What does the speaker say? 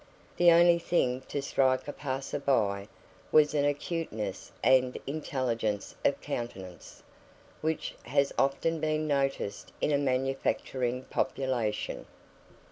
The only thing to strike a passer by was an acuteness and intelligence of countenance, which has often been noticed in a manufacturing population.